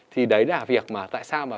thì đấy là việc mà tại sao